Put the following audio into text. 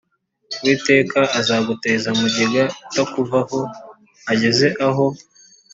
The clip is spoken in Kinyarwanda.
Uwiteka azaguteza mugiga itakuvaho ageze aho